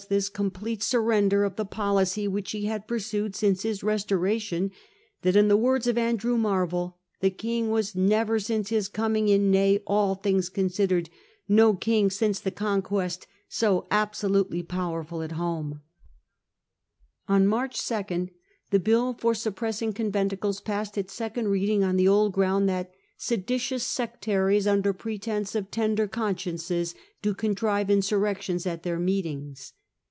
167a this complete surrender of the policy which he had pur sued since his restoration that, in the words of Andrew Marvell, * the King was never since his coming in, nay, all things considered, no King since the Conquest, so absolutely powerful at home.' On March 2 the bill for suppressing conventicles passed its second reading on the old ground that 'sedi The second tious sectaries, under pretence of tender con ConMeniide sciences, do contrive insurrections at their Bill, March ' 1670. meetings.